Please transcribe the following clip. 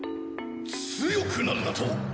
強くなるだと？